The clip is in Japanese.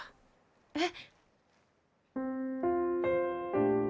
えっ。